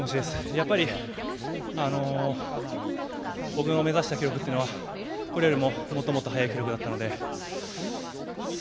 やっぱり僕の目指した記録っていうのはこれよりも、もっともっと早い記録だったので。